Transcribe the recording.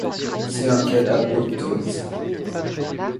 C'est un cas d'apoptose.